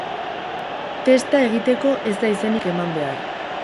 Testa egiteko ez da izenik eman behar.